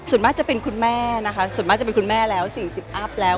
ส่วนมากจะเป็นคุณแม่นะคะส่วนมากจะเป็นคุณแม่แล้ว๔๐อัพแล้ว